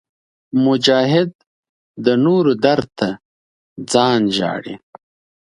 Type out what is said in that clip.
مجاهد د نورو درد ته ځان ژاړي.